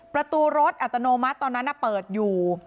ประตูรถอัตโนมัติตอนนั้นเปิดอยู่